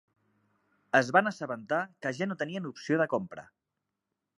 Es van assabentar que ja no tenien opció de compra.